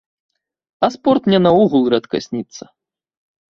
А спорт мне наогул рэдка сніцца.